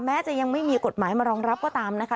จะยังไม่มีกฎหมายมารองรับก็ตามนะคะ